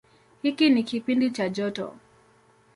Hiki ni kipindi cha joto.